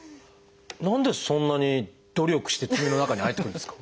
何でそんなに努力して爪の中に入ってくるんですか？